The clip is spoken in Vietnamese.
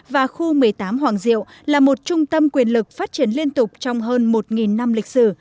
và khu một mươi tám hoàng diệu là một trung tâm quyền lực phát triển liên tục trong hơn một năm lịch sử